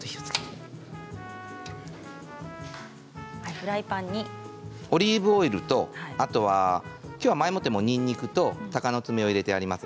フライパンにオリーブオイルときょうは前もってにんにくとたかのつめを入れてあります。